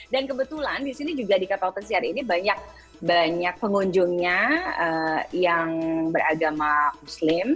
dan kebetulan di sini juga di kapal pesiar ini banyak banyak pengunjungnya yang beragama muslim